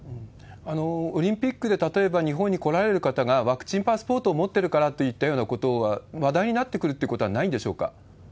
オリンピックで例えば日本に来られる方が、ワクチンパスポートを持ってるからといったようなことが話題になってくるってことはないんでしょうか？